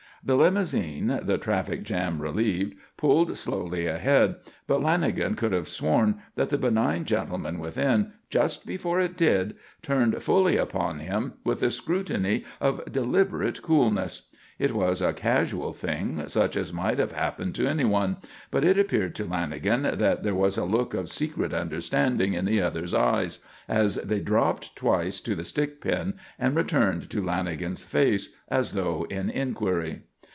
The limousine, the traffic jam relieved, pulled slowly ahead, but Lanagan could have sworn that the benign gentleman within, just before it did, turned fully upon him with a scrutiny of deliberate coolness. It was a casual thing, such as might have happened to anyone; but it appeared to Lanagan that there was a look of secret understanding in the other's eyes, as they dropped twice to the stick pin and returned to Lanagan's face, as though in inquiry.